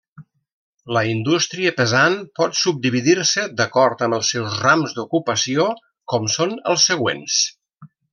La indústria pesant pot subdividir-se d'acord amb els seus rams d'ocupació com són els següents.